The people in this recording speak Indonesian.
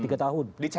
di challenge begitu ya